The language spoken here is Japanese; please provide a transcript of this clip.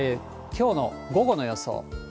きょうの午後の予想。